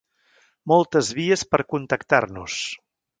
Moltes vies per contactar-nos.